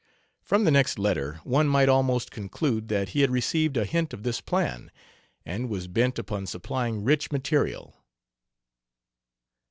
From the next letter one might almost conclude that he had received a hint of this plan, and was bent upon supplying rich material.